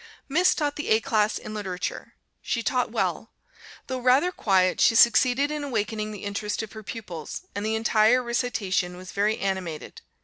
Miss taught the A class in Literature. She taught well. Though rather quiet, she succeeded in awakening the interest of her pupils, and the entire recitation was very animated.